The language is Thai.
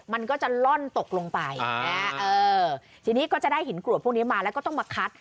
มันก็จะล่อนตกลงไปทีนี้ก็จะได้หินกรวดพวกนี้มาแล้วก็ต้องมาคัด